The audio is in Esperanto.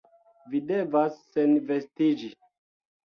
Vi devas senvestiĝi...